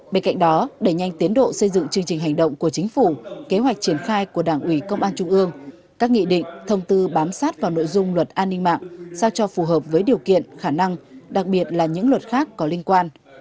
bên cạnh đó đẩy nhanh tiến độ xây dựng chương trình hành động của chính phủ kế hoạch triển khai của đảng ủy công an trung ương các nghị định thông tư bám sát vào nội dung luật an ninh mạng sao cho phù hợp với điều kiện khả năng đặc biệt là những luật khác có liên quan